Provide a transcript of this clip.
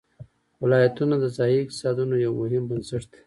ولایتونه د ځایي اقتصادونو یو مهم بنسټ دی.